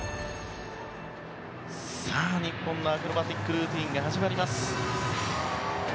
日本のアクロバティックルーティンが始まります。